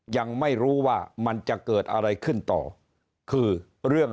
ยังไม่รู้ว่ามันจะเกิดอะไรขึ้นต่อ